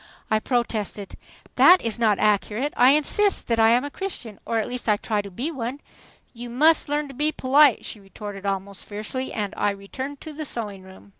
I protested. "That is not accurate. I insist that I am a Christian, or at least I try to be one." "You must learn to be polite," she retorted almost fiercely, and I returned to the sewing room.